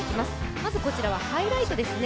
まずこちらはハイライトですね。